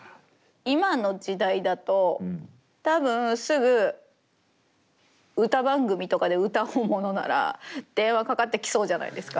今の時代だと多分すぐ歌番組とかで歌おうものなら電話かかってきそうじゃないですか。